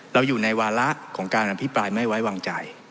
เราอยู่ในวาระของการอภิปรายไม่ไว้วางใจ